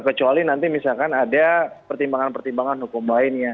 kecuali nanti misalkan ada pertimbangan pertimbangan hukum lainnya